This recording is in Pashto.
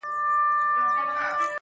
هم راغلي كليوال وه هم ښاريان وه!!